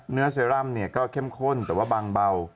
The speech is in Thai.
เซรั่มเนี่ยก็เข้มข้นแต่ว่าบางเบา